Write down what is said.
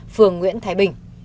phường nguyễn thái bình